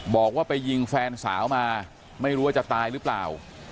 บอกว่าไปยิงแฟนสาวมาไม่รู้ว่าจะตายหรือเปล่า